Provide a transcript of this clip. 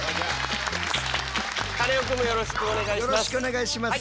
カネオくんもよろしくお願いします。